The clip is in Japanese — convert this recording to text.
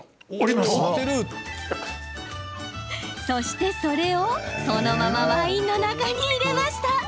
そして、それをそのままワインの中に入れました。